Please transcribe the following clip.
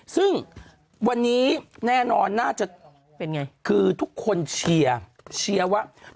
ซึ่งวันนี้แน่นอนน่าจะคือทุกคนเชียร์ว่าเป็นไง